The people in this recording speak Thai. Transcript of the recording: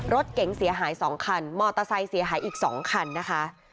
รถเก๋งเสียหาย๒คันมอเตอร์ไซค์เสียหายอีก๒คันนะคะ